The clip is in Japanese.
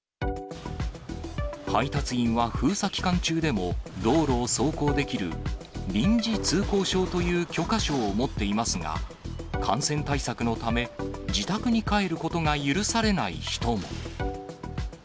配達員は封鎖期間中でも道路を走行できる臨時通行証という許可証を持っていますが、感染対策のため、自宅に帰ることが許されない人も。